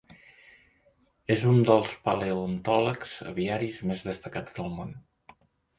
És un dels paleontòlegs aviaris més destacats del món.